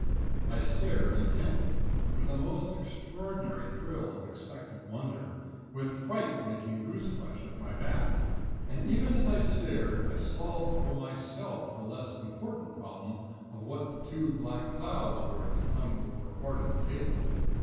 I stared, intently, with a most extraordinary thrill of expectant wonder, with fright making goose flesh of my back. And even as I stared, I solved for myself the less important problem of what the two black clouds were that hung over a part of the table.